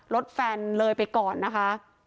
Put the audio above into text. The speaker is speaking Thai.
รถแฟนเลยไปก่อนนะคะ